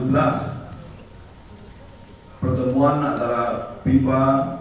pertemuan antara bipa